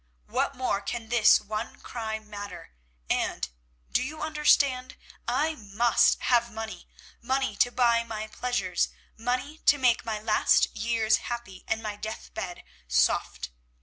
What more can this one crime matter, and—do you understand?—I must have money, money to buy my pleasures, money to make my last years happy, and my deathbed soft.